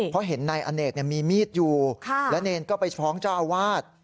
เพราะเห็นนายอเนกมีมีดอยู่และเนรก็ไปฟ้องเจ้าอาวาส